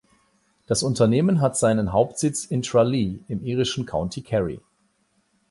Das Unternehmen hat seinen Hauptsitz in Tralee im irischen County Kerry.